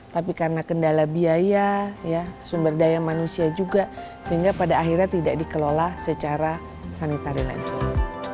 tapi karena kendala biaya sumber daya manusia juga sehingga pada akhirnya tidak dikelola secara sanitary label